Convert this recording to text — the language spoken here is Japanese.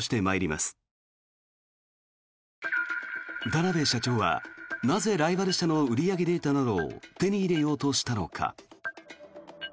田邊社長はなぜライバル社の売り上げデータなどを手に入れようとしたのか。